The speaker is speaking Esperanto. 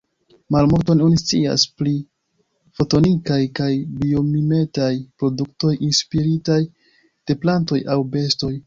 Malmulton oni scias pri fotonikaj kaj biomimetaj produktoj inspiritaj de plantoj aŭ bestoj.